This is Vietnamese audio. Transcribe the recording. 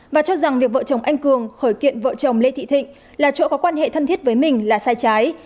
và cho rằng việc vợ chồng anh cường khởi kiện vợ chồng lê thị thịnh là chỗ có quan hệ thân thiết với mình là sai trái